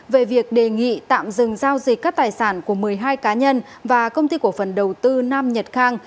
về việc đề nghị tạm dừng giao dịch các tài sản của một mươi hai cá nhân và công ty cổ phần đầu tư nam nhật khang